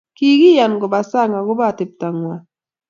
kikikany koba sang' akobo atebto ng'wang'